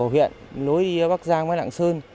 huyện lối bắc giang với lạng sơn